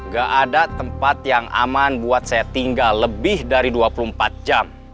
gak ada tempat yang aman buat saya tinggal lebih dari dua puluh empat jam